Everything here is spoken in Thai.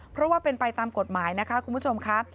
เพราะว่าเป็นไปตามกฎหมายนะคะคุณผู้ชมค่ะ